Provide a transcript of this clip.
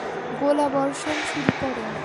গোলাবর্ষণ শুরু কর!